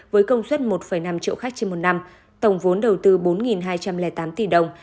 với công suất một năm triệu khách trên một năm tổng vốn đầu tư bốn hai trăm linh tám tỷ đồng